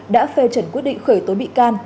đã phê chuẩn quyết định khởi tố bị can